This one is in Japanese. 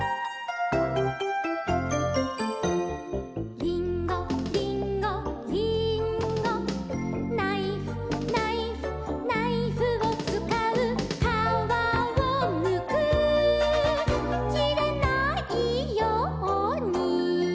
「りんごりんごりんご」「ナイフナイフナイフをつかう」「かわをむくきれないように」